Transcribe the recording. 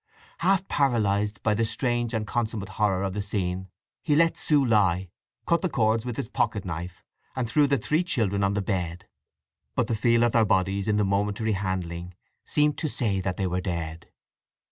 Half paralyzed by the strange and consummate horror of the scene, he let Sue lie, cut the cords with his pocket knife and threw the three children on the bed; but the feel of their bodies in the momentary handling seemed to say that they were dead.